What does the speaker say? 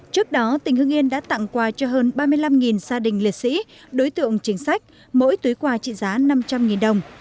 trước đó tỉnh hưng yên đã tặng quà cho hơn ba mươi năm gia đình liệt sĩ đối tượng chính sách mỗi túi quà trị giá năm trăm linh đồng